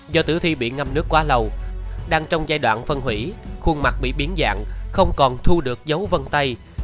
do tử thi bị ngâm nước quá lâu đang trong giai đoạn phân hủy khuôn mặt bị biến dạng không còn thu được dấu vân tay